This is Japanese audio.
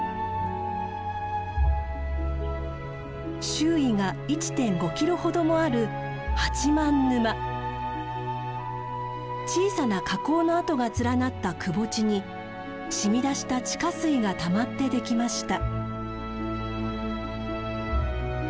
周囲が１．５キロほどもある小さな火口の跡が連なったくぼ地にしみ出した地下水がたまってできました。